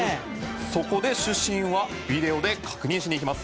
そこで主審はビデオで確認しに行きます。